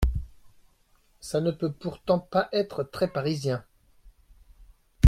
Ça ne peut pourtant pas être très parisien…